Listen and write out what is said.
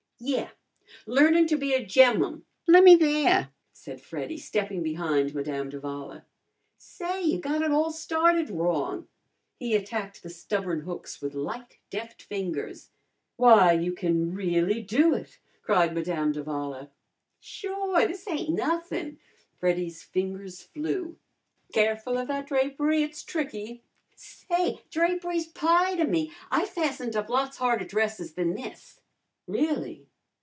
"Yeah learnin' to be a gem'mum. Lemme there," said Freddy, stepping behind Madame d'Avala. "Say, you've got it all started wrong." He attacked the stubborn hooks with light, deft fingers. "Why, you can really do it!" cried Madame d'Avala. "Sure! This ain't nothin'." Freddy's fingers flew. "Careful of that drapery. It's tricky." "Say, drapery's pie to me. I fastened up lots harder dresses than this." "Really?"